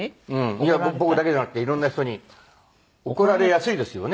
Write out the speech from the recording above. いや僕だけじゃなくていろんな人に怒られやすいですよね